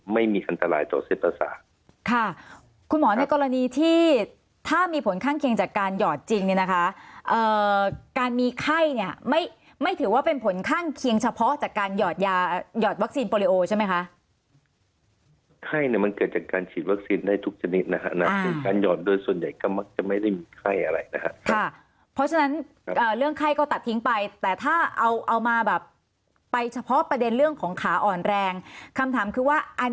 มีไข้เนี่ยไม่ไม่ถือว่าเป็นผลข้างเคียงเฉพาะจากการหยอดยาหยอดวัคซีนโปรโลโอใช่ไหมคะไข้เนี่ยมันเกิดจากการฉีดวัคซีนได้ทุกชนิดนะฮะนะการหยอดโดยส่วนใหญ่ก็มักจะไม่ได้มีไข้อะไรนะฮะค่ะเพราะฉะนั้นเรื่องไข้ก็ตัดทิ้งไปแต่ถ้าเอาเอามาแบบไปเฉพาะประเด็นเรื่องของขาอ่อนแรงคำถามคือว่า